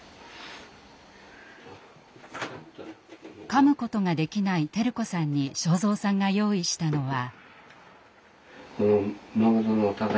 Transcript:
かむことができない輝子さんに昭蔵さんが用意したのは。